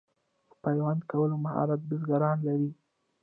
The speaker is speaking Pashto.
د پیوند کولو مهارت بزګران لري.